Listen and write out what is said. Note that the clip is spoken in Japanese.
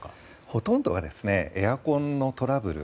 ほとんどがエアコンのトラブル。